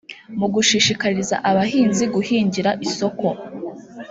mu gushishikariza abahinzi guhingira isoko